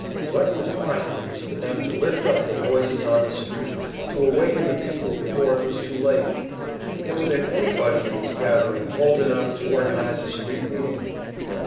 What was wanted was for them to lift up their voices on the street, to awaken the people before it was too late! Was there anybody in this gathering bold enough to organize a street meeting?